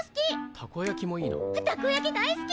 タコ焼き大好き！